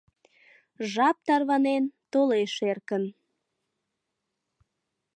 Жап тарванен, толеш эркын